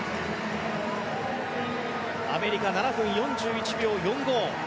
アメリカ、７分４１秒４５。